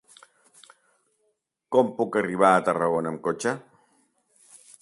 Com puc arribar a Tarragona amb cotxe?